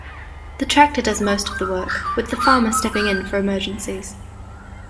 The tractor does most of the work, with the farmer stepping in for emergencies.